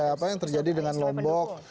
apa yang terjadi dengan lombok